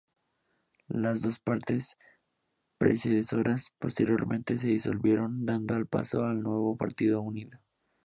Las dos partes predecesoras posteriormente se disolvieron, dando paso al nuevo partido unido.